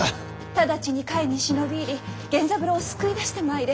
直ちに甲斐に忍び入り源三郎を救い出してまいれ。